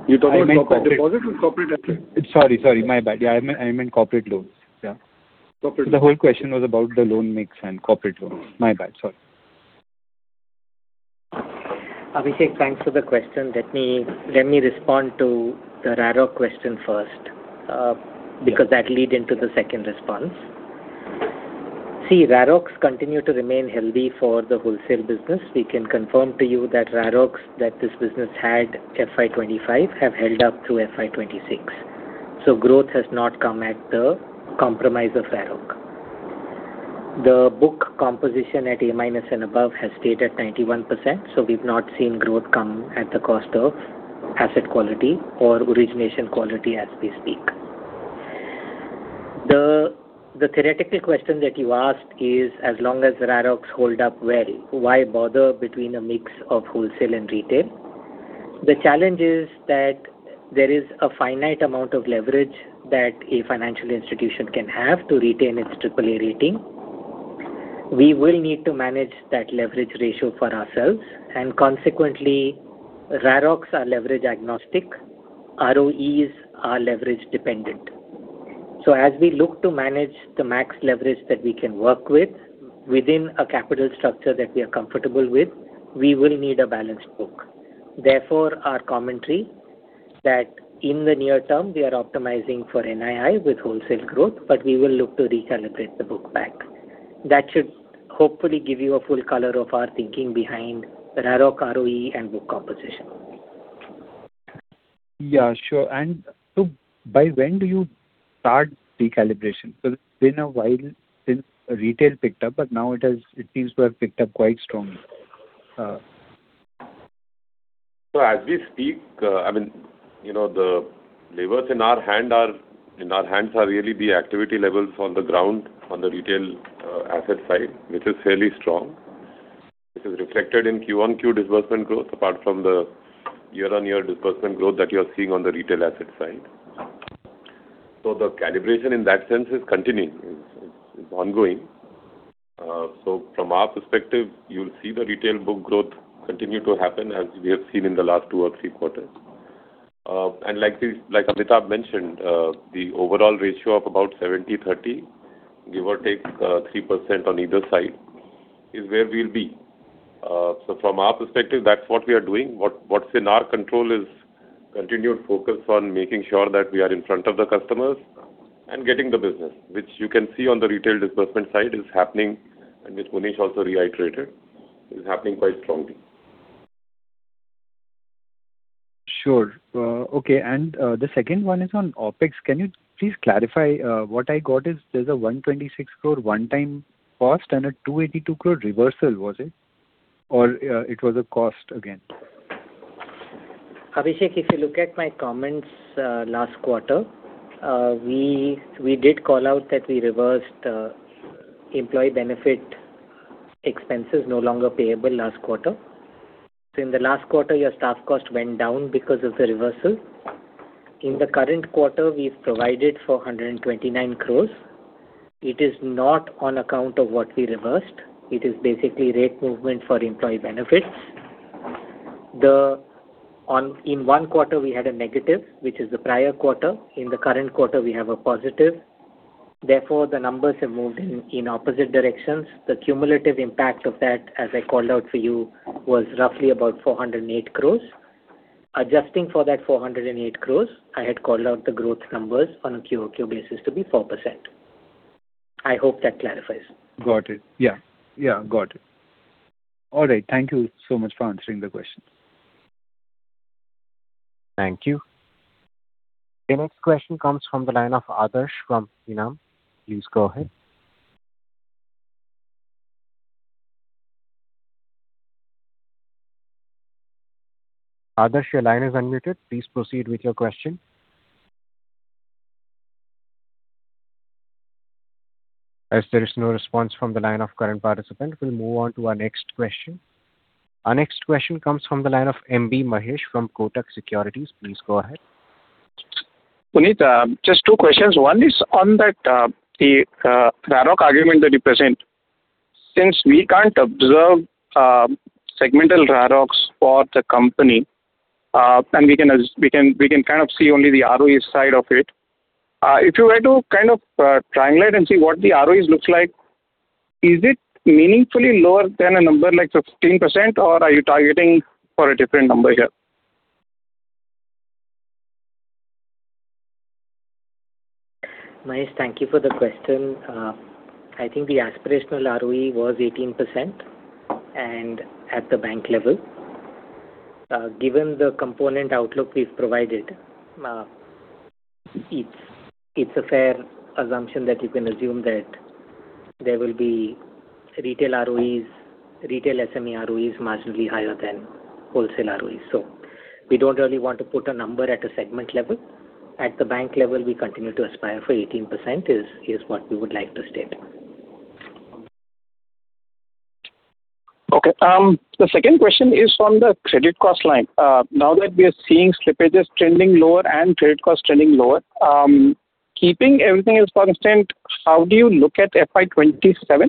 You're talking about corporate deposit or corporate asset? Sorry, my bad. Yeah, I meant corporate loans. Yeah. Corporate loans. The whole question was about the loan mix and corporate loans. My bad. Sorry. Abhishek, thanks for the question. Let me respond to the ROE question first, because that lead into the second response. See, ROEs continue to remain healthy for the wholesale business. We can confirm to you that ROEs that this business had FY 2025 have held up through FY 2026. So growth has not come at the compromise of ROE. The book composition at A-minus and above has stayed at 91%, so we've not seen growth come at the cost of asset quality or origination quality as we speak. The theoretical question that you asked is, as long as ROEs hold up well, why bother between a mix of wholesale and retail? The challenge is that there is a finite amount of leverage that a financial institution can have to retain its AAA rating. We will need to manage that leverage ratio for ourselves, and consequently, ROEs are leverage agnostic, ROEs are leverage dependent. As we look to manage the max leverage that we can work with within a capital structure that we are comfortable with, we will need a balanced book. Therefore, our commentary that in the near term we are optimizing for NII with wholesale growth, but we will look to recalibrate the book back. That should hopefully give you a full color of our thinking behind ROE and book composition. Yeah, sure. By when do you start recalibration? It's been a while since retail picked up, but now it has. It seems to have picked up quite strongly. As we speak, I mean, you know, the levers in our hands are really the activity levels on the ground on the retail asset side, which is fairly strong. This is reflected in Q-on-Q disbursement growth apart from the year-on-year disbursement growth that you are seeing on the retail asset side. The calibration in that sense is continuing. It's ongoing. From our perspective, you'll see the retail book growth continue to happen as we have seen in the last two or three quarters. Like Amitabh mentioned, the overall ratio of about 70/30, give or take, 3% on either side is where we'll be. From our perspective, that's what we are doing. What's in our control is continued focus on making sure that we are in front of the customers and getting the business, which you can see on the retail disbursement side is happening, and which Munish also reiterated, is happening quite strongly. Sure. Okay. The second one is on OpEx. Can you please clarify? What I got is there's a 126 crore one-time cost and a 282 crore reversal. Was it, or it was a cost again? Abhishek, if you look at my comments last quarter, we did call out that we reversed employee benefit expenses no longer payable last quarter. In the last quarter, your staff cost went down because of the reversal. In the current quarter, we've provided for 129 crore. It is not on account of what we reversed. It is basically rate movement for employee benefits. In one quarter we had a negative, which is the prior quarter. In the current quarter we have a positive. Therefore, the numbers have moved in opposite directions. The cumulative impact of that, as I called out for you, was roughly about 408 crore. Adjusting for that 408 crore, I had called out the growth numbers on a QoQ basis to be 4%. I hope that clarifies. Got it. Yeah. Yeah. Got it. All right. Thank you so much for answering the questions. Thank you. The next question comes from the line of Adarsh from Enam. Please go ahead. Adarsh, your line is unmuted. Please proceed with your question. As there is no response from the line of current participant, we'll move on to our next question. Our next question comes from the line of MB Mahesh from Kotak Securities. Please go ahead. Puneet, just two questions. One is on that, the ROE argument that you present. Since we can't observe segmental ROEs for the company, and we can kind of see only the ROE side of it. If you were to kind of triangulate and see what the ROEs looks like, is it meaningfully lower than a number like 15% or are you targeting for a different number here? Mahesh, thank you for the question. I think the aspirational ROE was 18% and at the bank level. Given the component outlook we've provided, it's a fair assumption that you can assume that there will be retail ROEs, retail SME ROEs marginally higher than wholesale ROE. We don't really want to put a number at a segment level. At the bank level, we continue to aspire for 18% is what we would like to state. The second question is from the credit cost line. Now that we are seeing slippages trending lower and credit costs trending lower, keeping everything else constant, how do you look at FY 2027?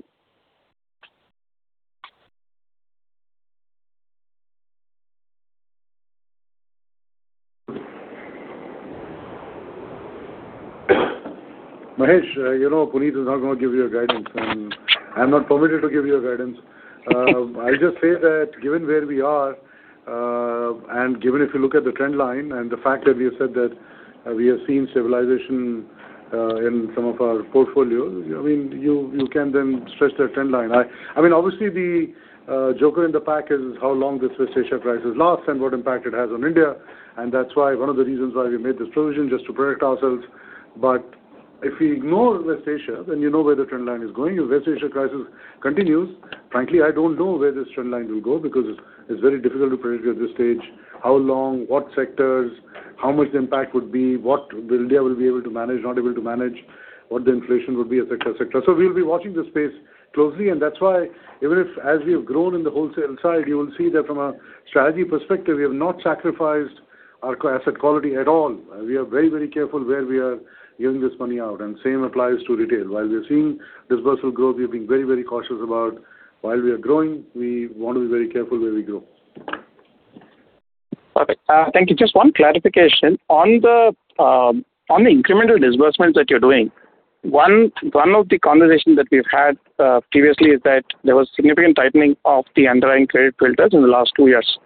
Mahesh, you know Puneet is not gonna give you a guidance. I'm not permitted to give you a guidance. I'll just say that given where we are, and given if you look at the trend line and the fact that we have said that, we have seen stabilization in some of our portfolios, I mean, you can then stretch that trend line. I mean, obviously the joker in the pack is how long this West Asia crisis lasts and what impact it has on India. That's why one of the reasons why we made this provision just to protect ourselves. If we ignore West Asia, then you know where the trend line is going. If West Asia crisis continues, frankly, I don't know where this trend line will go because it's very difficult to predict at this stage how long, what sectors, how much the impact would be, what India will be able to manage, not able to manage, what the inflation would be, et cetera, et cetera. We'll be watching this space closely, and that's why even if as we have grown in the wholesale side, you will see that from a strategy perspective, we have not sacrificed our asset quality at all. We are very, very careful where we are giving this money out, and same applies to retail. While we are seeing disbursal growth, we've been very, very cautious about while we are growing, we want to be very careful where we grow. Okay. Thank you. Just one clarification. On the incremental disbursements that you're doing, one of the conversations that we've had previously is that there was significant tightening of the underlying credit filters in the last two years,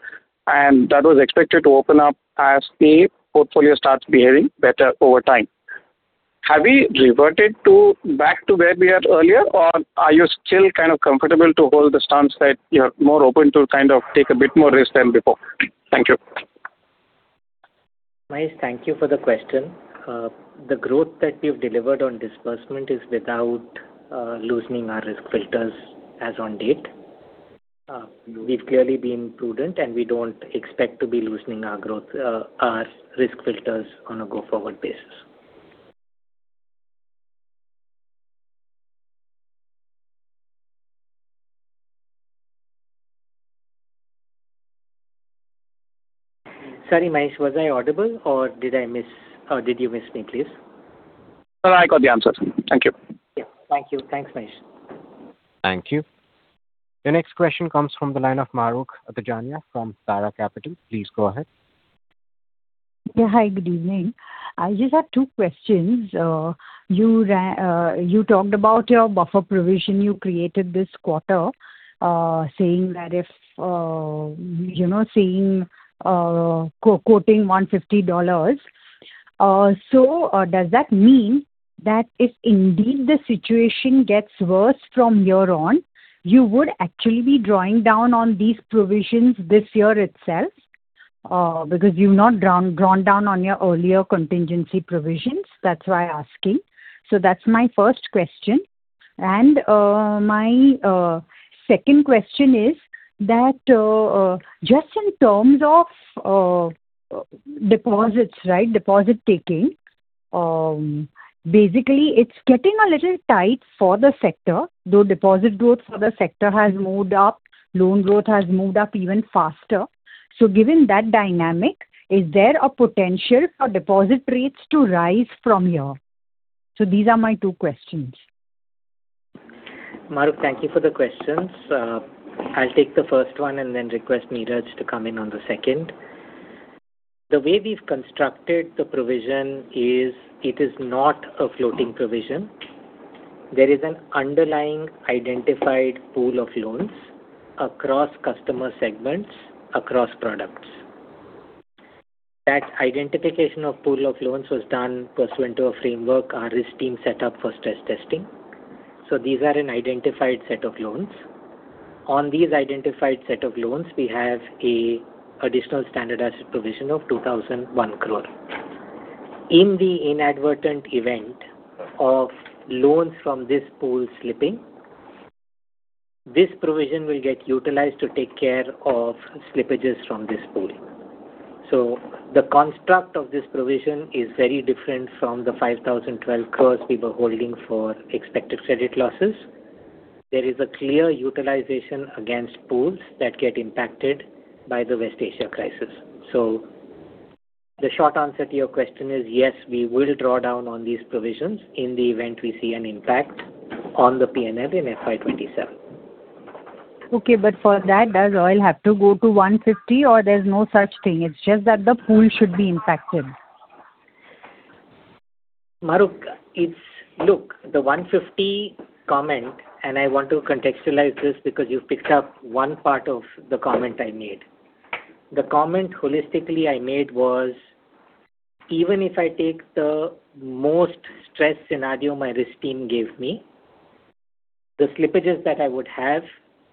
and that was expected to open up as the portfolio starts behaving better over time. Have we reverted to back to where we were earlier or are you still kind of comfortable to hold the stance that you're more open to kind of take a bit more risk than before? Thank you. Mahesh, thank you for the question. The growth that we've delivered on disbursement is without loosening our risk filters as on date. We've clearly been prudent, and we don't expect to be loosening our risk filters on a go-forward basis. Sorry, Mahesh, was I audible or did I miss or did you miss me, please? No, I got the answer. Thank you. Yeah. Thank you. Thanks, Mahesh. Thank you. The next question comes from the line of Mahrukh Adajania from Tara Capital. Please go ahead. Yeah. Hi, good evening. I just have two questions. You talked about your buffer provision you created this quarter, saying that if, you know, quoting $150. Does that mean that if indeed the situation gets worse from here on, you would actually be drawing down on these provisions this year itself? Because you've not drawn down on your earlier contingency provisions. That's why I'm asking. That's my first question. My second question is that just in terms of deposits, right? Deposit taking. Basically it's getting a little tight for the sector, though deposit growth for the sector has moved up, loan growth has moved up even faster. Given that dynamic, is there a potential for deposit rates to rise from here? These are my two questions. Mahrukh, thank you for the questions. I'll take the first one and then request Neeraj to come in on the second. The way we've constructed the provision is it is not a floating provision. There is an underlying identified pool of loans across customer segments, across products. That identification of pool of loans was done pursuant to a framework our risk team set up for stress testing. These are an identified set of loans. On these identified set of loans, we have an additional standardized provision of 2,001 crore. In the inadvertent event of loans from this pool slipping. This provision will get utilized to take care of slippages from this pool. The construct of this provision is very different from the 5,012 crore we were holding for expected credit losses. There is a clear utilization against pools that get impacted by the West Asia crisis. The short answer to your question is yes, we will draw down on these provisions in the event we see an impact on the P&L in FY 2027. Okay. For that, does oil have to go to $150 or there's no such thing? It's just that the pool should be impacted. Mahrukh, look, the $150 comment, and I want to contextualize this because you've picked up one part of the comment I made. The comment holistically I made was, even if I take the most stressed scenario my risk team gave me, the slippages that I would have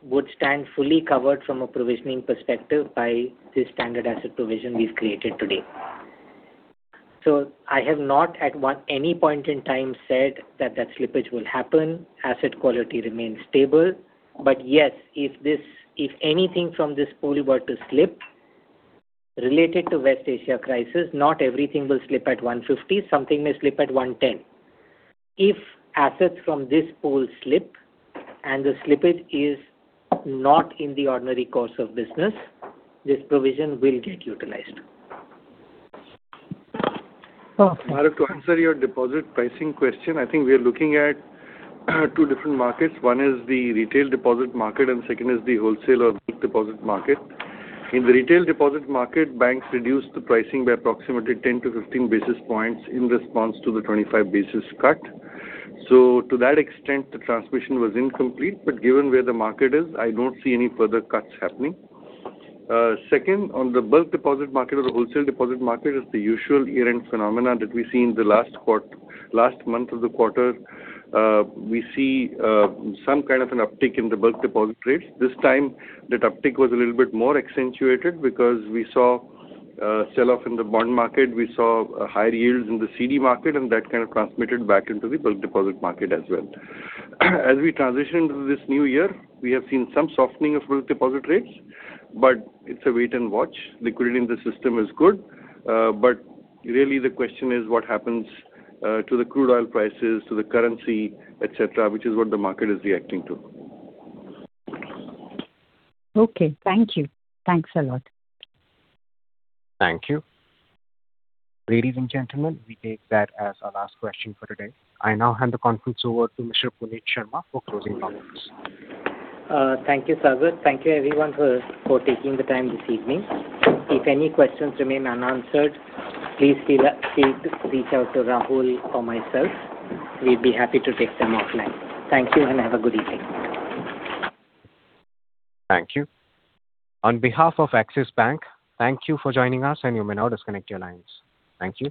would stand fully covered from a provisioning perspective by the standard asset provision we've created today. I have not at any point in time said that slippage will happen. Asset quality remains stable. Yes, if anything from this pool were to slip related to West Asia crisis, not everything will slip at $150, something may slip at $110. If assets from this pool slip and the slippage is not in the ordinary course of business, this provision will get utilized. Okay. Mahrukh, to answer your deposit pricing question, I think we are looking at two different markets. One is the retail deposit market, and second is the wholesale or bulk deposit market. In the retail deposit market, banks reduced the pricing by approximately 10-15 basis points in response to the 25 basis cut. To that extent, the transmission was incomplete, but given where the market is, I don't see any further cuts happening. Second, on the bulk deposit market or the wholesale deposit market is the usual year-end phenomena that we see in the last month of the quarter. We see some kind of an uptick in the bulk deposit rates. This time, that uptick was a little bit more accentuated because we saw sell-off in the bond market. We saw higher yields in the CD market, and that kind of transmitted back into the bulk deposit market as well. As we transition to this new year, we have seen some softening of bulk deposit rates, but it's a wait and watch. Liquidity in the system is good. Really the question is what happens to the crude oil prices, to the currency, et cetera, which is what the market is reacting to. Okay. Thank you. Thanks a lot. Thank you. Ladies and gentlemen, we take that as our last question for today. I now hand the conference over to Mr. Puneet Sharma for closing comments. Thank you, [Sagar]. Thank you everyone for taking the time this evening. If any questions remain unanswered, please feel free to reach out to Rahul or myself. We'd be happy to take them offline. Thank you and have a good evening. Thank you. On behalf of Axis Bank, thank you for joining us, and you may now disconnect your lines. Thank you.